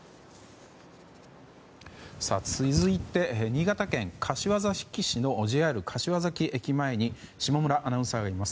続いて、新潟県柏崎市のＪＲ柏崎駅前に下村アナウンサーがいます。